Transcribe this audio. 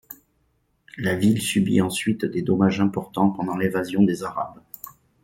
La ville subit ensuite des dommages importants pendant l'invasion des Arabes.